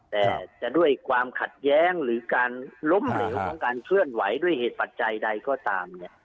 แต่จะด้วยความขัดแย้งหรือการล้มเหลวของการเคลื่อนไหวด้วยเหตุปัจจัยใดก็ตามเนี่ย